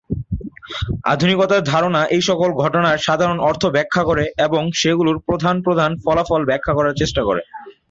আধুনিকতার ধারণা এই সকল ঘটনার সাধারণ অর্থ ব্যাখ্যা করে এবং সেগুলোর প্রধান প্রধান ফলাফলের ব্যাখ্যা করার চেষ্টা করে।